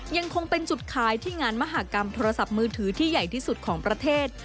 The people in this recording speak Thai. ยังคงเป็นจุดขายที่งานมหากรรมโทรศัพท์มือถือที่ใหญ่ที่สุดของประเทศ